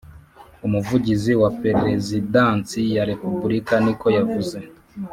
umuvugizi wa Perezidansi ya Repubulika niko yavuze